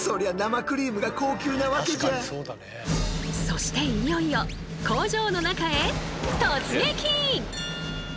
そしていよいよ工場の中へ突撃！